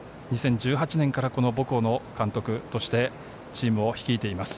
２０１８年から母校の監督としてチームを率いています。